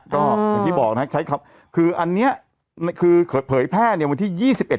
ก็อย่างที่บอกนะฮะใช้ครับคืออันเนี้ยคือเผยแพร่เนี้ยวันที่ยี่สิบเอ็ด